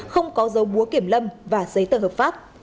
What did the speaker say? không có dấu búa kiểm lâm và giấy tờ hợp pháp